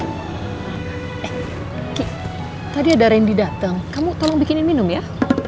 eh tadi ada randy datang kamu tolong bikinin minum ya